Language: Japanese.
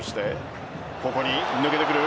ここに抜けてくる。